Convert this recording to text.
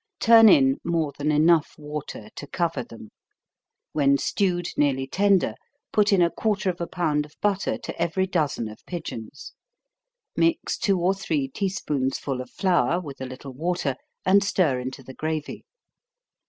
Turn in more than enough water to cover them. When stewed nearly tender, put in a quarter of a pound of butter to every dozen of pigeons mix two or three tea spoonsful of flour, with a little water, and stir into the gravy.